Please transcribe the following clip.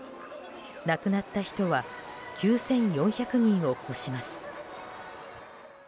亡くなった人は９４００人を超します。